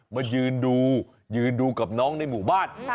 มายืนดูยืนดูกับน้องในหมู่บ้าน